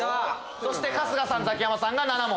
そして春日さんザキヤマさんが７問。